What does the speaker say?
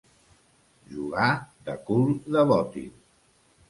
Jugar de cul de bòtil.